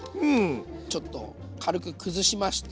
ちょっと軽く崩しまして。